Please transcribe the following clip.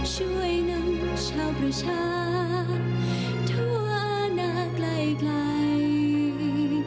ช่วยนำชาวประชาทั่วหน้าไกล